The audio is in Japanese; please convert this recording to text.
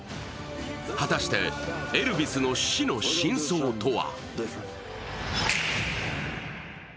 果たしてエルヴィスの死の真相とは？